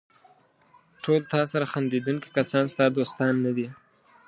ټول تاسره خندېدونکي کسان ستا دوستان نه دي.